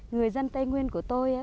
người dân tây nguyên của tôi